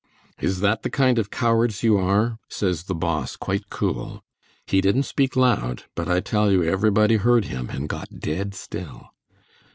'Is that the kind of cowards you are?' says the Boss, quite cool. He didn't speak loud, but I tell you everybody heard him and got dead still.